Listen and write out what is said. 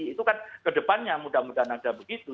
itu kan kedepannya mudah mudahan ada begitu